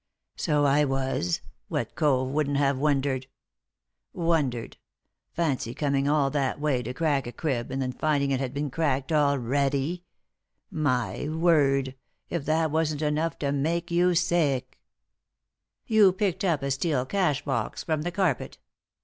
" So I was ; what cove wouldn't have wondered ? Wondered 1 — fancy coming all that way to crack a crib and then finding it had been cracked already 1 My word I if that wasn't enough to make you sick I" " You picked up a steel cash box from the carpet.